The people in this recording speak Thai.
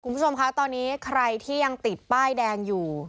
คุณผู้ชมคะตอนนี้ใครที่ยังติดป้ายแดงอยู่